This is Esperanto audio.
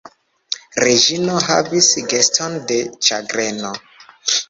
Reĝino havis geston de ĉagreno.